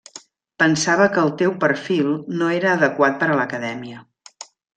Pensava que el teu perfil no era adequat per a l’Acadèmia.